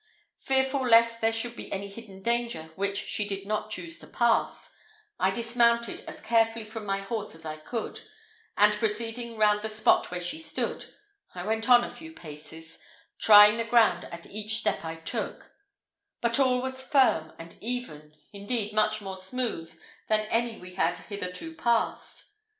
Fearful lest there should be any hidden danger which she did not choose to pass, I dismounted as carefully from my horse as I could, and proceeding round the spot where she stood, I went on a few paces, trying the ground at each step I took; but all was firm and even indeed, much more smooth than any we had hitherto passed.